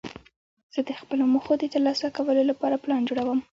زه د خپلو موخو د ترلاسه کولو له پاره پلان جوړوم.